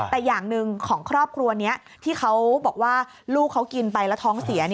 แต่อย่างหนึ่งของครอบครัวนี้ที่เขาบอกว่าลูกเขากินไปแล้วท้องเสีย